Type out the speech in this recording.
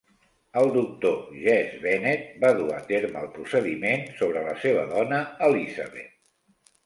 El doctor Jesse Bennett va dur a terme el procediment sobre la seva dona Elizabeth.